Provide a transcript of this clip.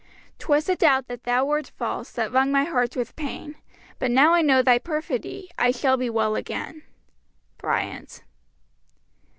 'Twas the doubt that thou wert false, That wrung my heart with pain; But now I know thy perfidy, I shall be well again. BRYANT.